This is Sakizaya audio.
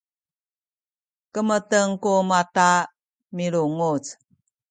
kemeten ku mata milunguc